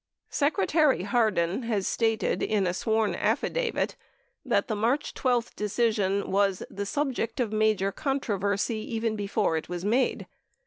Secretary Hardin has stated in a sworn affidavit that the March 12 decision "was the subject of major controversy even before it was made."